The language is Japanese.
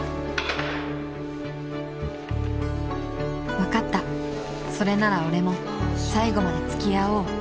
［「分かったそれなら俺も最後まで付き合おう」］